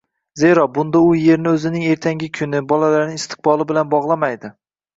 Zero, bunda u yerni o‘zining ertangi kuni, bolalarining istiqboli bilan bog‘lamaydi.